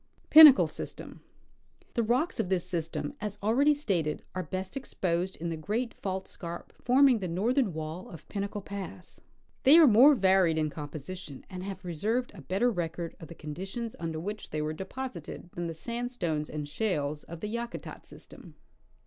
Pinnacle System. The rocks of this system, as already stated, are best exposed in the great fault scarp forming the northern wall of Pinnacle pass. They are more varied in composition and have preserved a better record of the conditions under which they were deposited than the sandstones and shales of the Yakutat system.